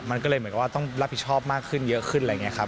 มันก็เลยเหมือนกับว่าต้องรับผิดชอบมากขึ้นเยอะขึ้นอะไรอย่างนี้ครับ